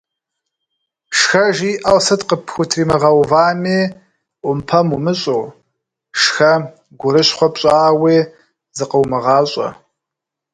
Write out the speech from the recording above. Шхэ жиӏэу сыт къыпхутримыгъэувами – ӏумпэм умыщӏу, шхэ, гурыщхъуэ пщӏауи зыкъыумыгъащӏэ.